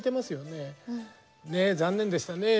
ねえ残念でしたね。